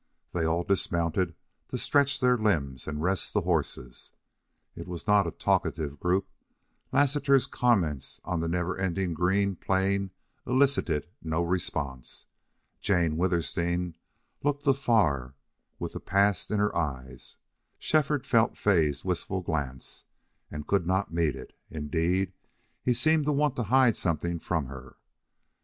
They all dismounted to stretch their limbs, and rest the horses. It was not a talkative group, Lassiter's comments on the never ending green plain elicited no response. Jane Withersteen looked afar with the past in her eyes. Shefford felt Fay's wistful glance and could not meet it; indeed, he seemed to want to hide something from her.